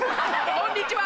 こんにちは。